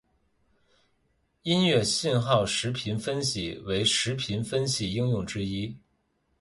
音乐信号时频分析为时频分析应用之一。